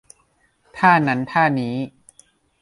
ท่านั้นท่านี้